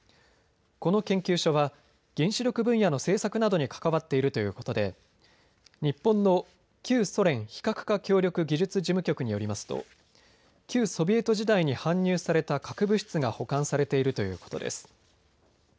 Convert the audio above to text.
この研究所は原子力分野の政策などに関わっているということで日本の旧ソ連非核化協力技術事務局によりますと旧ソビエト時代に搬入された核物質が保管されているということです。